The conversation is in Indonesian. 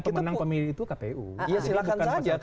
pemenang pemilih itu kpu iya silahkan saja